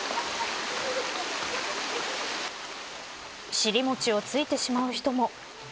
尻もちをついてしまう人も。